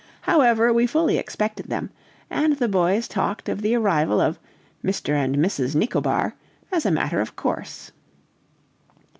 However, we fully expected them, and the boys talked of the arrival of "Mr. and Mrs. Nicobar" as a matter of course.